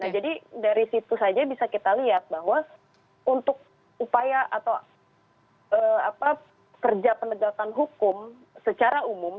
nah jadi dari situ saja bisa kita lihat bahwa untuk upaya atau kerja penegakan hukum secara umum